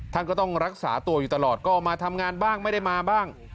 ท่านก็ต้องรักษาตัวอยู่ตลอดก็มาทำงานบ้างไม่ได้มาบ้าง